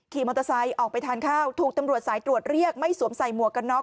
มอเตอร์ไซค์ออกไปทานข้าวถูกตำรวจสายตรวจเรียกไม่สวมใส่หมวกกันน็อก